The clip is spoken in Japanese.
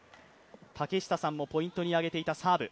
竹下さんもポイントに挙げていたサーブ。